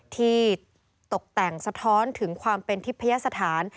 ที่ตกแต่งสะท้อนถึงความเป็นทิพยสถาน